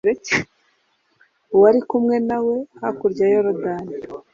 uwari kumwe nawe hakurya ya Yorodani